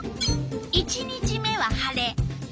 １日目は晴れ。